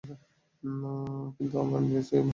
না, কিন্তু আমরা নিতেছি, এই মহলের দায়িত্ব।